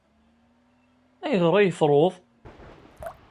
Ayɣer ay truḍ?